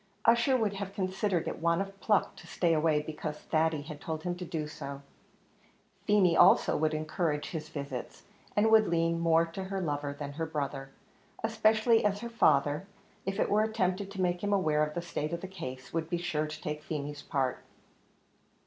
Ussher would have considered it want of pluck to stay away because Thady had told him to do so; Feemy also would encourage his visits, and would lean more to her lover than her brother especially as her father, if it were attempted to make him aware of the state of the case, would be sure to take Feemy's part.